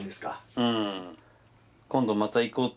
うん。